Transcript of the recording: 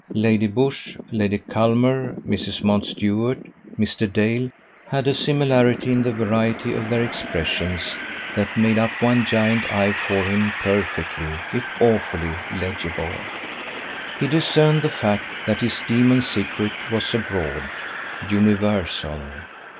Lady Busshe, Lady Culmer, Mrs. Mountstuart, Mr. Dale, had a similarity in the variety of their expressions that made up one giant eye for him perfectly, if awfully, legible. He discerned the fact that his demon secret was abroad, universal.